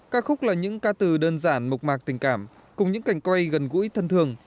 ca khúc là những ca từ đơn giản mộc mạc tình cảm cùng những cảnh quay gần gũi thân thường